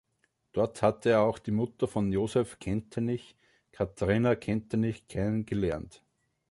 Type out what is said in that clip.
Dort hatte er auch die Mutter von Josef Kentenich, Katharina Kentenich, kennengelernt.